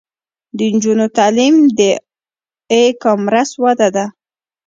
د نجونو تعلیم د ای کامرس وده ده.